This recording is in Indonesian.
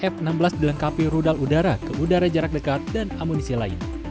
f enam belas dilengkapi rudal udara ke udara jarak dekat dan amunisi lain